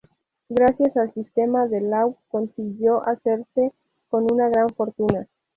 Gracias al sistema de Law consiguió hacerse con una gran fortuna.